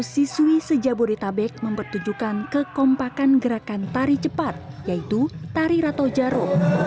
enam enam ratus siswi sejaburi tabek mempertunjukkan kekompakan gerakan tari cepat yaitu tari rato jaro